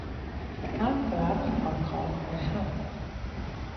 Land crabs are caught by hand.